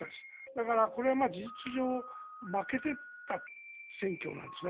だから事実上負けてた選挙なんですね。